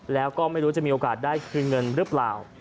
แล้วก็ไม่รู้จะมีโอกาสได้คืนเงินหรือเปล่า